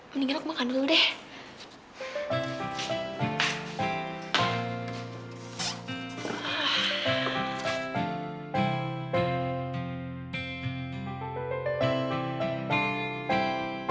mendingan aku makan dulu deh